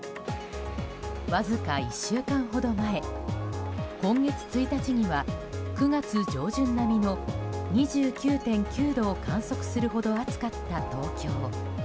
わずか１週間ほど前今月１日には９月上旬並みの２９．９度を観測するほど暑かった東京。